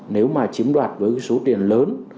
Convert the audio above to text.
nếu mà chiếm đoạt với số tiền lớn